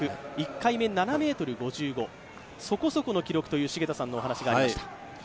１回目７ｍ５５そこそこの記録という繁田さんのお話がありました。